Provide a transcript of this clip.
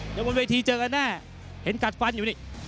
เดี๋ยวบนเวทีเจอกันแน่เห็นกัดฟันอยู่นี่